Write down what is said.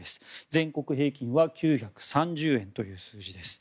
全国平均は９３０円という数字です。